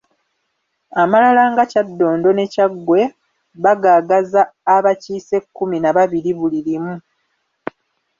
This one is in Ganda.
Amalala nga Kyaddondo ne Kyaggwe bagaagaza abakiise kkumi na babiri buli limu